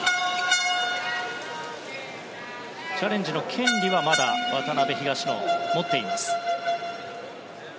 チャレンジの権利はまだ渡辺・東野、持っています。